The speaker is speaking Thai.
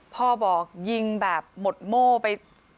พ่อบอกยิงแบบหมดโม่ไป